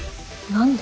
何で？